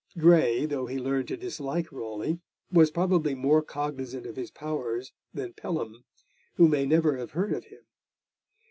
Grey, though he learned to dislike Raleigh, was probably more cognisant of his powers than Pelham, who may never have heard of him.